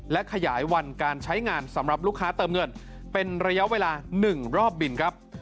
และขยายวันการใช้งานสำหรับลูกค้าเติมเงินเป็นระยะเวลา๑รอบบินครับ